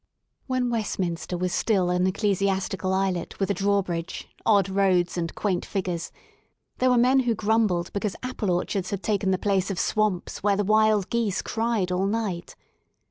When Westminster was still an ecclesiastical islet with a drawbridge, odd roads and quaint figures, there were men who grumbled because apple orchards had taken the place of swamps where the wild gtes^ cried all night.